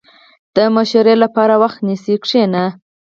• د مشورې لپاره وخت ونیسه، کښېنه.